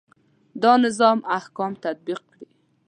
دا نظام احکام تطبیق کړي.